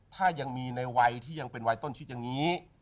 ถ้ายังมีในวัยที่ยังเป็นวัยต้นชีวิตอย่างนี้